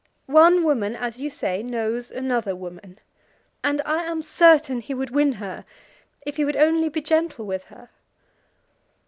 One woman, as you say, knows another woman; and I am certain he would win her if he would only be gentle with her."